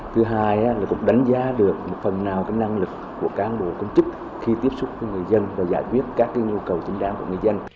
thứ hai là cũng đánh giá được một phần nào năng lực của cán bộ công chức khi tiếp xúc với người dân và giải quyết các nhu cầu chính đáng của người dân